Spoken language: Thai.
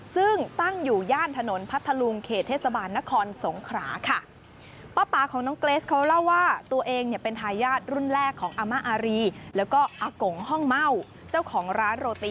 ซึ่งตั้งอยู่ย่านถนนพัทธลุงเขตเทศบาลนครสงขราค่ะ